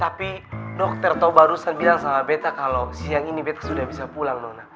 tapi dokter toh barusan bilang sama beta kalau siang ini beta sudah bisa pulang